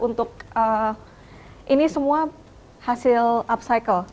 untuk ini semua hasil upcycle